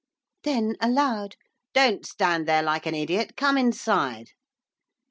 Then, aloud, 'Don't stand there like an idiot, come inside.